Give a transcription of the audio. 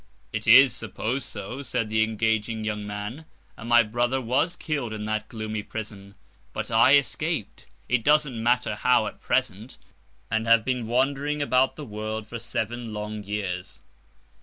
'—'It is supposed so,' said the engaging young man; 'and my brother was killed in that gloomy prison; but I escaped—it don't matter how, at present—and have been wandering about the world for seven long years.